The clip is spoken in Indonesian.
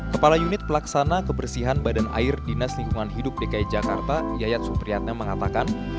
kepala unit pelaksana kebersihan badan air dinas lingkungan hidup dki jakarta yayat supriyatna mengatakan